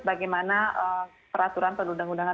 bagaimana peraturan penundang undangan